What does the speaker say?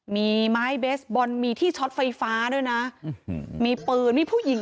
มีไม้เบสบอลมีที่ช็อตไฟฟ้าด้วยนะมีปืนมีผู้หญิง